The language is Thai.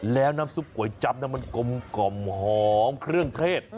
แล้วน้ำซุปก๋วยจับมันกลมหอมเครื่องเทศ